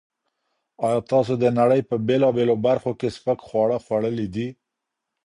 ایا تاسو د نړۍ په بېلابېلو برخو کې سپک خواړه خوړلي دي؟